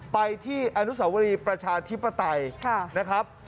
ไปที่อนุสาวรีประชาธิปไตยนะครับ